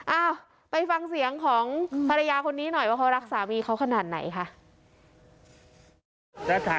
อ้าวไปฟังเสียงของภรรยาคนนี้หน่อยว่าเขารักสามีเขาขนาดไหนค่ะ